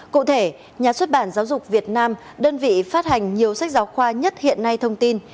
cụ thể nhà xuất bản giáo dục việt nam đơn vị phát hành nhiều sách giáo khoa nhất hiện nay thông tin